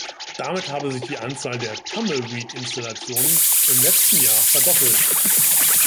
Damit habe sich die Anzahl der "Tumbleweed"-Installationen im letzten Jahr verdoppelt.